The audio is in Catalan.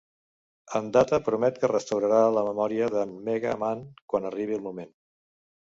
En Data promet que restaurarà la memòria d'en Mega Man quan arribi el moment.